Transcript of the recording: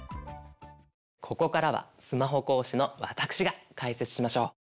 ここからはスマホ講師の私が解説しましょう。